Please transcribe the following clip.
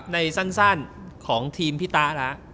ในสั้นของทีมพี่ตาแล้ว